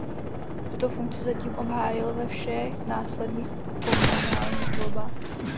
Tuto funkci zatím obhájil ve všech následných komunálních volbách.